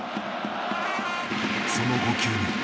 その５球目。